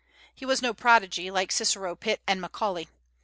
He was no prodigy, like Cicero, Pitt, and Macaulay.